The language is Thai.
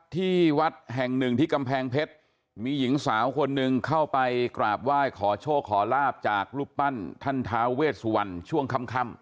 ที่วัดแห่งหนึ่งที่กำแพงเพชรมีหญิงสาวคนหนึ่งเข้าไปกราบไหว้ขอโชคขอลาบจากรูปปั้นท่านท้าเวชสุวรรณช่วงค่ำ